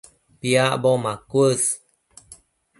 Piacbo macuës